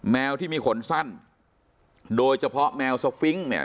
แมวที่มีขนสั้นโดยเฉพาะแมวสฟิงค์เนี่ย